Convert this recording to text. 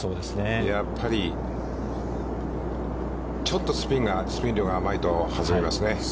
やっぱり、ちょっとスピン量が甘いと外れますね。